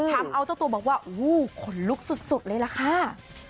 ถามเอาเจ้าตัวบอกว่าโอ้โหคนลุกสุดเลยละค่ะ